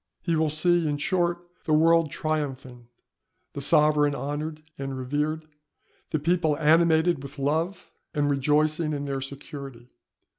He will see, in short, the world triumphing, the sovereign honoured and revered, the people animated with love, and rejoicing in their security.